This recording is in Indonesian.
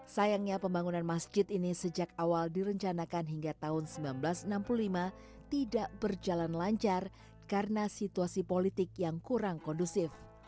sayangnya pembangunan masjid ini sejak awal direncanakan hingga tahun seribu sembilan ratus enam puluh lima tidak berjalan lancar karena situasi politik yang kurang kondusif